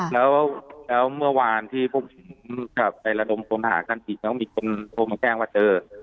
แล้วเมื่อวานที่พวกผมกลับไประดมค้นหากันอีกก็มีคนโทรมาแจ้งว่าเจอ